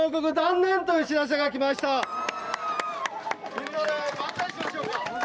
みんなで万歳しましょうか。